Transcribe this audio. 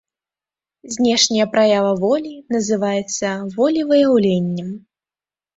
Знешняя праява волі называецца волевыяўленнем.